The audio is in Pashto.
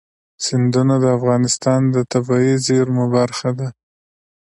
سیندونه د افغانستان د طبیعي زیرمو برخه ده.